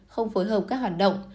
không phối hợp các hoạt động